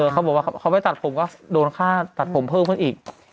เขาบอกว่าเขาไม่ตัดผมก็โดนค่าตัดผมเพิ่มขึ้นอีก